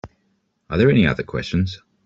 Are there any other questions?